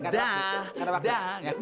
dah dah nyok